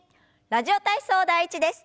「ラジオ体操第１」です。